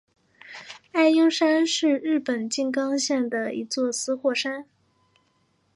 爱鹰山是日本静冈县的一座死火山。